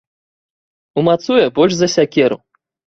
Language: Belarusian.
Умацуе больш за сякеру.